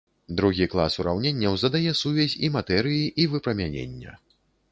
Другі клас ураўненняў задае сувязь і матэрыі і выпрамянення.